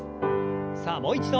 さあもう一度。